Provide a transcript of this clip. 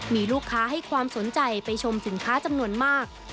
มีลูกค้าให้ความสนใจไปชมสินค้าจำนวนมาก